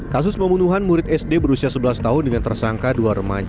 kasus pembunuhan murid sd berusia sebelas tahun dengan tersangka dua remaja